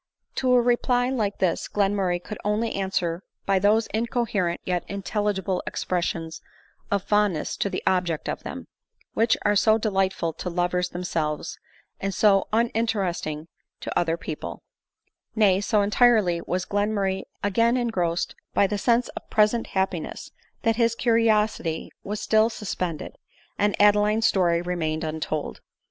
To a reply like this, Glenmurray could only answer by those incoherent yet intelligible expressions of fond ness to the object of them, which are so delightful to lovers themselves, and so uninteresting to other people ; nay, so entirely was Glenmurray again engrossed by the ADELINE MOWBRAY. 77 sense of present happiness, that his curiosity was still suspended, and Adeline's story remained untold.